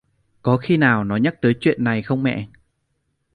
Có khi nào nó nhắc tới chuyện này không mẹ